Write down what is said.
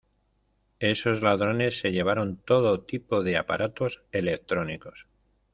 Esos ladrones se llevaron todo tipo de aparatos electrónicos.